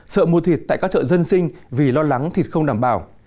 sợ mua thịt tại các chợ dân sinh vì lo lắng thịt không đảm bảo